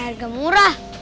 tapi dengan harga murah